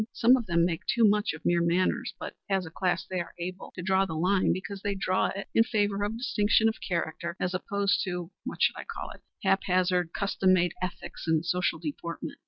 Some of them make too much of mere manners, but as a class they are able to draw the line because they draw it in favor of distinction of character as opposed to what shall I call it? haphazard custom made ethics and social deportment."